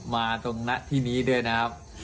ตรงหน้าที่นี้ด้วยนะครับ